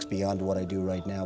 selain apa yang saya lakukan sekarang